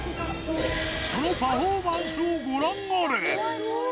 そのパフォーマンスをご覧あれ！